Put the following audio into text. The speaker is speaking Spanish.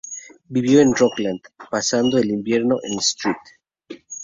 Vivió en Rockland, pasando el invierno en St.